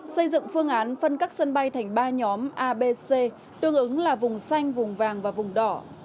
xây dựng phương án phân các sân bay thành ba nhóm abc tương ứng là vùng xanh vùng vàng và vùng đỏ